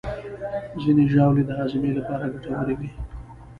ځینې ژاولې د هاضمې لپاره ګټورې وي.